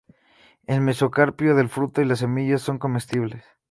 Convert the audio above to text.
El mesocarpio del fruto y la semilla son comestibles.